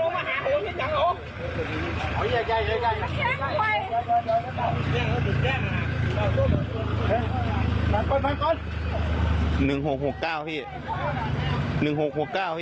มาก่อนหนึ่งหกหกเก้าพี่หนึ่งหกหกเก้าพี่